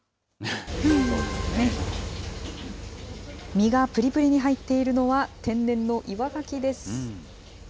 身がぷりぷりに入っているのは、天然の岩ガキです。